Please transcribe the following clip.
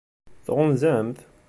Tɣunzam-t?